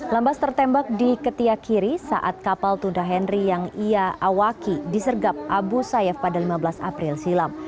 lambas tertembak di ketia kiri saat kapal tunda henry yang ia awaki disergap abu sayyaf pada lima belas april silam